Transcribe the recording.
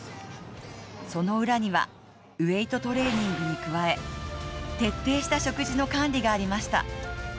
その裏には、ウエイトトレーニングに加え徹底した食事の管理がありました。